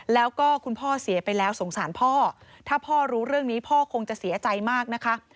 แล้วก็คุณพ่อเสียไปแล้วสงสารพ่อถ้าพ่อรู้เรื่องนี้พ่อคงจะเสียใจมากนะคะ